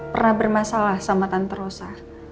pernah bermasalah sama tante rosa